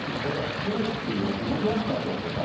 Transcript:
九州はものすごく暑くなってるんですよね。